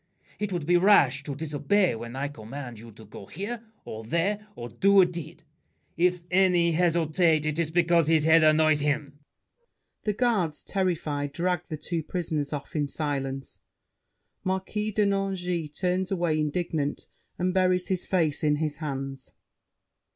It would be rash to disobey when I command You to go here or there or do a deed. If any hesitate, it is because His head annoys him. [The Guards, terrified, drag the two prisoners off in silence, Marquis de Nangis turns away indignant and buries his face in his hands.